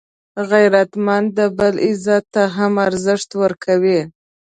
غیرتمند د بل عزت ته هم ارزښت ورکوي